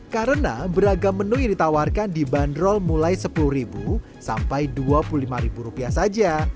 karena beragam menu yang ditawarkan di bandrol mulai sepuluh sampai dua puluh lima rupiah saja